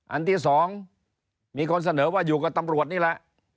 อันที่๒มีคนเสนอว่าอยู่กับตำรวจนี่แหละ